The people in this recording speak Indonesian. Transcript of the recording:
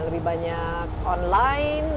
lebih banyak online